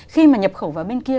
khi mà nhập khẩu vào bên kia